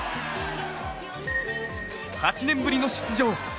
８年ぶりの出場